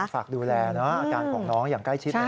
ฝากดูแลอาการของน้องอย่างใกล้ชิด